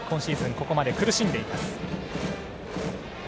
ここまで苦しんでいます。